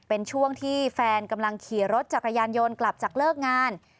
เป็นช่วงที่แฟนกำลังขี่รถจักรยานยนต์กลับจากเลิกงาน